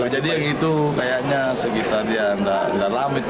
jadi itu kayaknya sekitar dia tidak lambat